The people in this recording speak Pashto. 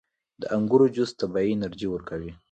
• د انګورو جوس طبیعي انرژي ورکوي.